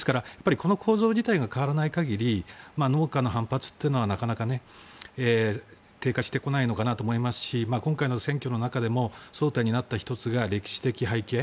この構造自体が変わらない限り農家の反発というのはなかなか低下してこないのかなと思いますし今回の選挙の中でも争点になった１つが歴史的背景。